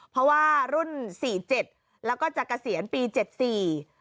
เพราะว่ารุ่นสี่เจ็ดแล้วก็จะเกษียณปีเจ็ดสี่